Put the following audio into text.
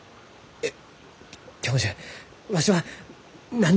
えっ。